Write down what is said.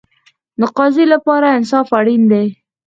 د قاضي لپاره انصاف اړین دی